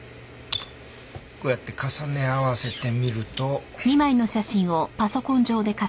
こうやって重ね合わせてみると。